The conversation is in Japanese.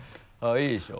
いいでしょ？